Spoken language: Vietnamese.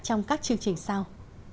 trong các chương trình sau